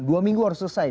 dua minggu harus selesai